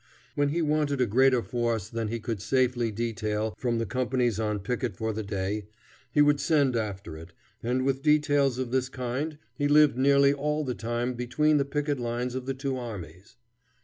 When he wanted a greater force than he could safely detail from the companies on picket for the day, he would send after it, and with details of this kind he lived nearly all the time between the picket lines of the two armies.